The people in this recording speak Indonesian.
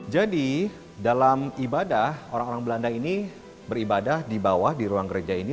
jadi dalam ibadah orang orang belanda ini beribadah di bawah di ruang gereja ini